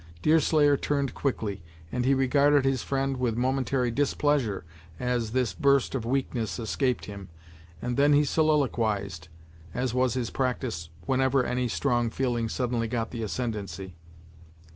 Deerslayer turned quickly, and he regarded his friend with momentary displeasure as this burst of weakness escaped him, and then he soliloquized, as was his practice whenever any strong feeling suddenly got the ascendancy.